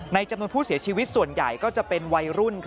จำนวนผู้เสียชีวิตส่วนใหญ่ก็จะเป็นวัยรุ่น